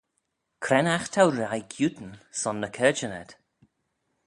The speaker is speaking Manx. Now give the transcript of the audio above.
Cre'n aght t'ou reih giootyn son ny caarjyn ayd?